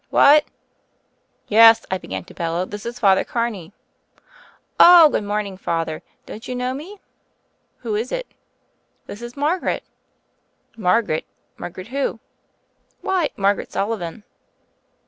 "What?" "Yes," I began to bellow, "this is Father Car ney." "Oh, good morning, Father, don't you know me?" 'Who hitr "This is Margaret." "Margaret I Margaret whoT "Why, Margaret Sullivan."